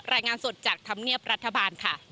รายงานสดจากธรรมเนียบรัฐบาลค่ะ